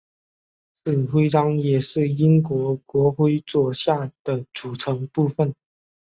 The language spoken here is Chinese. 此徽章也是英国国徽左下的组成部分。